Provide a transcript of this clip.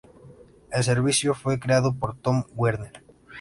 El servicio fue creado por Tom Werner.